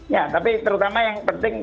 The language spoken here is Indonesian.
ya tapi terutama yang penting